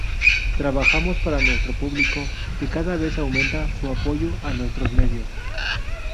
Trabajamos para nuestro público, que cada vez más aumenta su apoyo a nuestros medios.